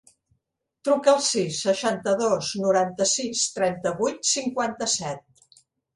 Truca al sis, seixanta-dos, noranta-sis, trenta-vuit, cinquanta-set.